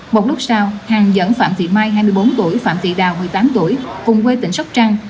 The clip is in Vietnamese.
một lúc sau hàng nhẫn phạm thị mai hai mươi bốn tuổi phạm thị đào một mươi tám tuổi cùng quê tỉnh sóc trăng